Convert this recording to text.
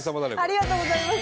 ありがとうございます。